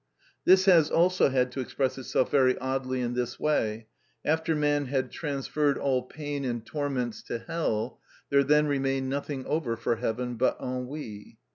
This has also had to express itself very oddly in this way; after man had transferred all pain and torments to hell, there then remained nothing over for heaven but ennui.